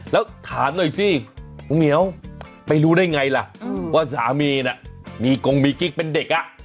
แล้วถามหน่อยสิลุงเหมียวไปรู้ได้ไงล่ะว่าสามีน่ะมีกงมีกิ๊กเป็นเด็กอ่ะ